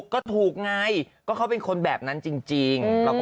ก็ถูกไงก็เป็นคนแบบนั้นจริงจริง